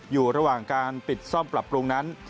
อยู่ระหว่างการปิดซ่อมปรับปรุงนั้น